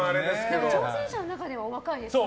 でも挑戦者の中ではお若いですよね。